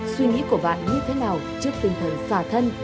suy nghĩ của bạn như thế nào trước tinh thần xả thân